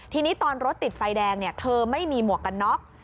ทีนี้ตอนรถติดไฟแดงเธอไม่มีหมวกกันน็อก